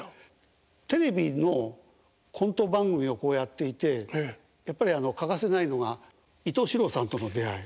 テレビのコント番組をやっていてやっぱりあの欠かせないのが伊東四朗さんとの出会い。